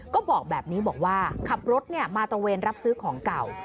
ก็บอกแบบนี้บอกว่าขับรถมาตระเวนรับซื้อของเก่า